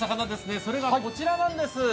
それがこちらなんです。